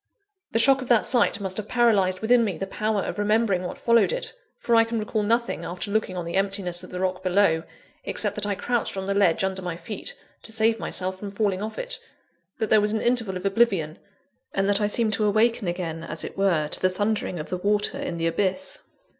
The shock of that sight must have paralysed within me the power of remembering what followed it; for I can recall nothing, after looking on the emptiness of the rock below, except that I crouched on the ledge under my feet, to save myself from falling off it that there was an interval of oblivion and that I seemed to awaken again, as it were, to the thundering of the water in the abyss.